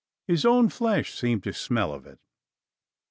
His own flesh seemed to smell of it.